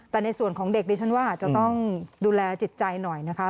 แต่ในส่วนของเด็กดิฉันว่าอาจจะต้องดูแลจิตใจหน่อยนะคะ